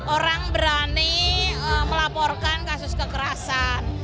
orang berani melaporkan kasus kekerasan